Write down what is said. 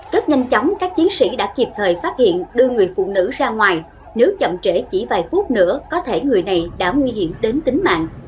rất nhanh chóng các chiến sĩ đã kịp thời phát hiện đưa người phụ nữ ra ngoài nếu chậm trễ chỉ vài phút nữa có thể người này đã nguy hiểm đến tính mạng